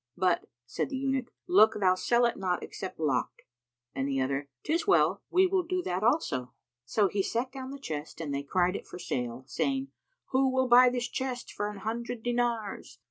"But," said the Eunuch, "look thou sell it not except locked;" and the other, "'Tis well; we will do that also."[FN#289] So he set down the chest, and they cried it for sale, saying, "Who will buy this chest for an hundred dinars?"